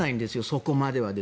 そこまでは。